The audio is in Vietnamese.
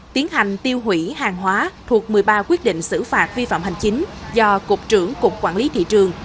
tiến hành tiêu hủy hàng hóa thuộc một mươi ba quyết định xử phạt vi phạm hành chính do cục trưởng cục quản lý thị trường